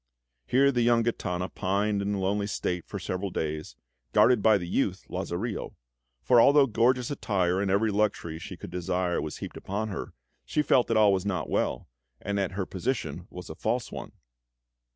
Here the young Gitana pined in lonely state for several days, guarded by the youth, Lazarillo; for although gorgeous attire and every luxury she could desire was heaped upon her, she felt that all was not well, and that her position was a false one.